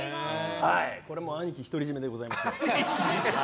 これも兄貴独り占めでございます。